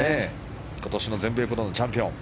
今年の全米プロのチャンピオン。